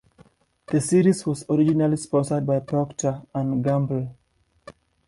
The series was originally sponsored by Procter and Gamble.